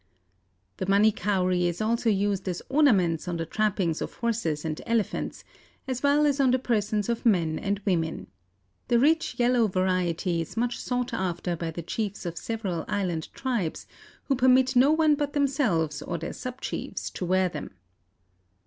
The money cowry is also used as ornaments on the trappings of horses and elephants, as well as on the persons of men and women. The rich yellow variety is much sought after by the chiefs of several island tribes, who permit no one but themselves or their sub chiefs to wear them.